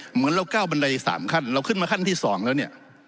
เหมือนเราก้าวบันได๓ขั้นเราขึ้นมาขั้นที่๒แล้วเนี่ย